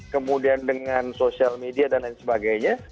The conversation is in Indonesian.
kemudian dengan sosial media dan lain sebagainya